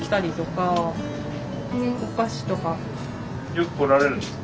よく来られるんですか？